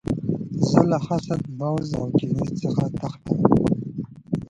زه له حسد، بغض او کینې څخه تښتم.